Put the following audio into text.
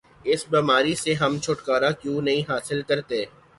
اس بیماری سے ہم چھٹکارا کیوں نہیں حاصل کرتے؟